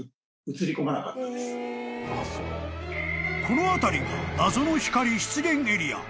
［この辺りが謎の光出現エリア］